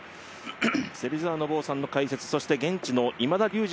芹澤信雄さんの解説現地の今田竜二